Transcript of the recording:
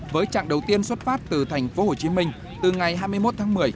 với chặng đầu tiên xuất phát từ thành phố hồ chí minh từ ngày hai mươi một tháng một mươi